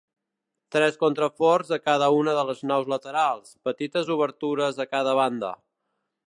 Tres contraforts a cada una de les naus laterals; Petites obertures a cada banda.